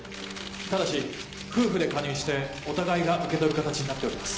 ただし夫婦で加入してお互いが受け取る形になっております。